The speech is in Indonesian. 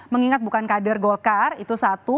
mengingat bukan kader golkar itu satu